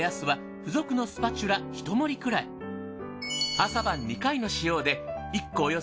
朝晩２回の使用で。